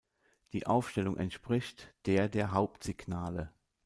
Die Aufstellung entspricht der der Hauptsignale.